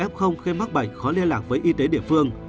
f khi mắc bệnh khó liên lạc với y tế địa phương